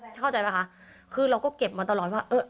เข้าใจป่ะคะคือเราก็เก็บมาตลอดว่า